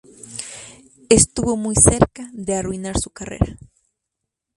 Estuvo muy cerca de arruinar su carrera.